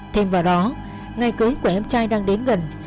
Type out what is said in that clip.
thêm vào đó ngày cưới của em trai đang đến gần